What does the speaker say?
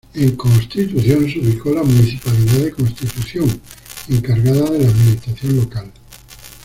En Constitución se ubicó la Municipalidad de Constitución encargada de la administración local.